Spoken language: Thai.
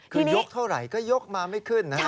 คือยกเท่าไหร่ก็ยกมาไม่ขึ้นนะฮะ